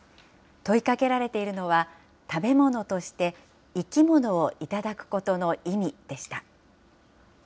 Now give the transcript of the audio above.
問いかけられているのは、食べ物として生き物をいただくことの意味でした。